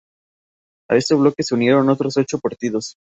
A este bloque se unieron otros ocho partidos.